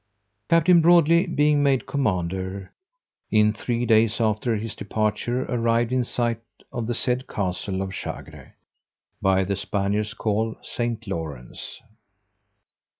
Captain Brodely being made commander, in three days after his departure arrived in sight of the said castle of Chagre, by the Spaniards called St. Lawrence.